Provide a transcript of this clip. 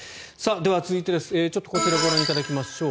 では続いてこちらご覧いただきましょう。